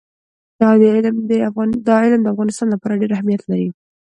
دا علم د افغانستان لپاره ډېر اهمیت لري.